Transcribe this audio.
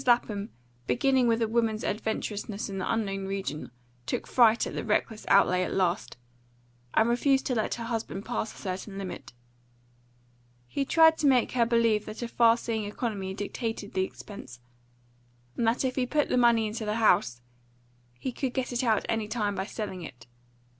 Lapham, beginning with a woman's adventurousness in the unknown region, took fright at the reckless outlay at last, and refused to let her husband pass a certain limit. He tried to make her believe that a far seeing economy dictated the expense; and that if he put the money into the house, he could get it out any time by selling it.